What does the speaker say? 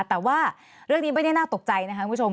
แต่ว่าเรื่องนี้ไม่ได้น่าตกใจนะคะคุณผู้ชม